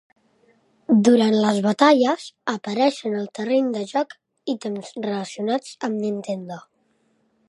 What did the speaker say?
Durant les batalles, apareixen al terreny de joc ítems relacionats amb Nintendo.